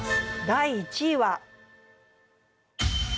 第１位は。